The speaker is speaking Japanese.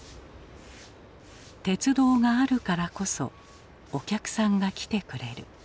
鉄道があるからこそお客さんが来てくれる。